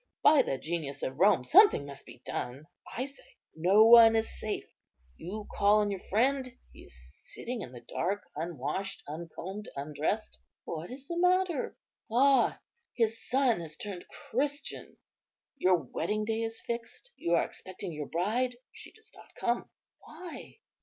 By the genius of Rome something must be done. I say, no one is safe. You call on your friend; he is sitting in the dark, unwashed, uncombed, undressed. What is the matter? Ah! his son has turned Christian. Your wedding day is fixed, you are expecting your bride; she does not come; why?